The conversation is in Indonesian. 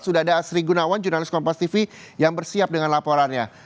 sudah ada asri gunawan jurnalis kompas tv yang bersiap dengan laporannya